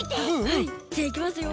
はいじゃあいきますよ。